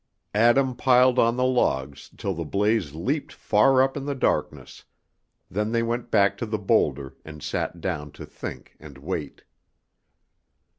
Adam piled on the logs till the blaze leaped far up in the darkness; then they went back to the boulder and sat down to think and wait.